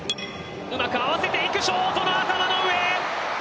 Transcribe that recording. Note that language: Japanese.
うまく合わせていく、ショートの頭の上。